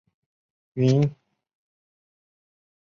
云岩区是贵阳市的经济强区之一。